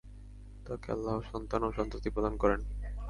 তাঁকে আল্লাহ সন্তান-সন্ততিও প্রদান করেন।